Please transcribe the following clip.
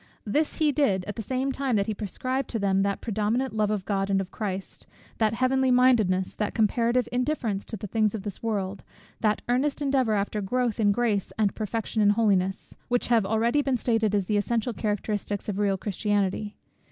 This he did, at the same time that he prescribed to them that predominant love of God and of Christ, that heavenly mindedness, that comparative indifference to the things of this world, that earnest endeavour after growth in grace and perfection in holiness, which have already been stated as the essential characteristics of real Christianity.